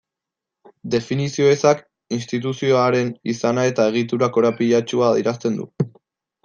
Definizio ezak instituzioaren izana eta egitura korapilatsua adierazten du.